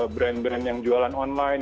brand brand yang jualan online